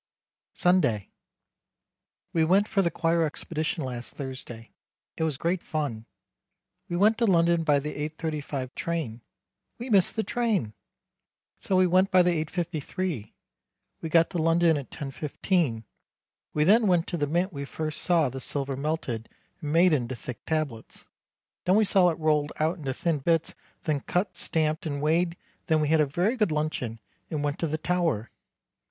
Sunday. We went for the choir expedition last Thursday. It was great fun. We went to London by the 8.35 train. We missed the train!! So we went by the 8.53. We got to London at 10.15. We then went to the mint we first saw the silver melted and made into thick tablets, then we saw it rolled out into thin bits then cut stamped and weighed then we had a very good luncheon and went to the Tower.